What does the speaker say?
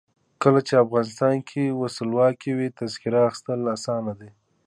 کله چې افغانستان کې ولسواکي وي تذکره اخیستل اسانه وي.